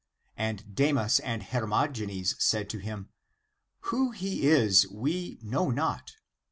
And Demas and Hermogenes said to him, " Who he is we know not.